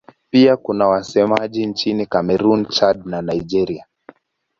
Pia kuna wasemaji nchini Kamerun, Chad na Nigeria.